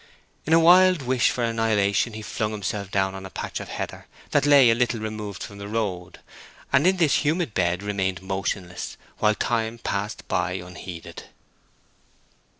In a wild wish for annihilation he flung himself down on a patch of heather that lay a little removed from the road, and in this humid bed remained motionless, while time passed by unheeded.